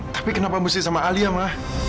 tapi kenapa mesti sama alia ma